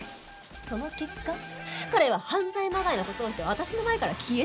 その結果彼は犯罪まがいの事をして私の前から消えてしまいました。